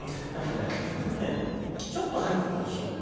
結局ねちょっと入っててほしいのよ。